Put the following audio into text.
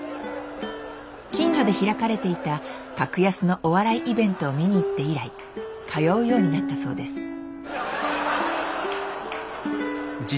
近所で開かれていた格安のお笑いイベントを見に行って以来通うようになったそうです。